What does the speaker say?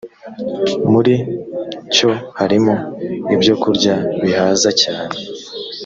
muri cyo harimo ibyokurya bihaza cyane